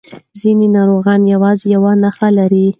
ځینې ناروغان یوازې یو نښه لري.